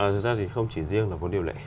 thực ra thì không chỉ riêng là vốn điều lệ